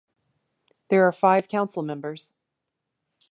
There are five council members.